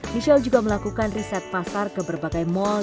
michelle juga melakukan riset pasar ke berbagai mall